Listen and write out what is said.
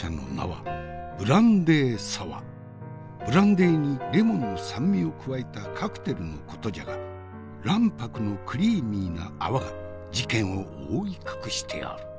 ブランデーにレモンの酸味を加えたカクテルのことじゃが卵白のクリーミーな泡が事件を覆い隠しておる。